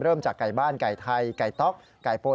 เริ่มจากไก่บ้านไก่ไทยไก่ต๊อกไก่โปแลนไก่ญี่ปุ่น